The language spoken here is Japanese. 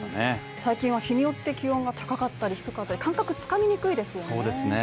最近は日によって気温が高かったり低かったり感覚つかみにくいですよね